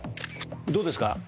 どうですか？